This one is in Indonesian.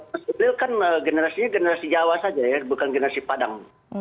mas oblil kan generasinya generasi jawa saja ya bukan generasi padang